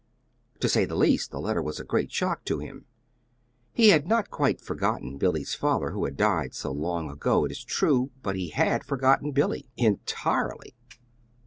To say the least, the letter was a great shock to him. He had not quite forgotten Billy's father, who had died so long ago, it is true, but he had forgotten Billy, entirely.